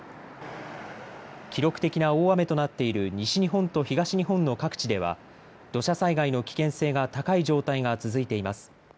記録的な大雨となっている西日本と東日本の各地では土砂災害の危険性が高い状態が続いています。